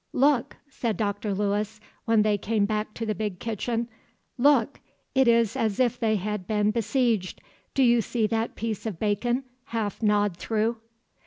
"Look!" said Dr. Lewis, when they came back to the big kitchen, "look! It is as if they had been besieged. Do you see that piece of bacon, half gnawed through?"